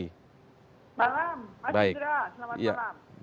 selamat malam mas indra selamat malam